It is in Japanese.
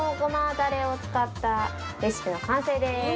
だれを使ったレシピの完成です。